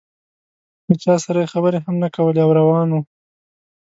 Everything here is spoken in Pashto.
له چا سره یې خبرې هم نه کولې او روان و.